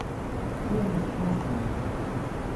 Tin yettḥusun.